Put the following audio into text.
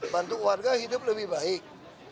bantu warga hidup lebih baik